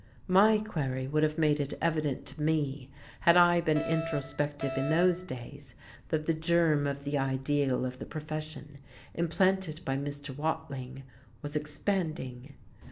my query would have made it evident to me, had I been introspective in those days, that the germ of the ideal of the profession, implanted by Mr. Watling, was expanding.